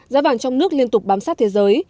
giá vàng trong nước liên tục bám sát thế giới